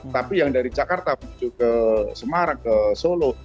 tapi yang dari jakarta menuju ke semarang ke solo